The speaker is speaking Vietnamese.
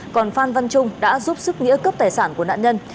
còn phan văn trung đã giúp sức nghĩa cướp tài sản của nạn nhân